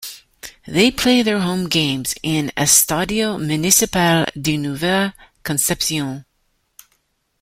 They play their home games in the Estadio Municipal de Nueva Concepción.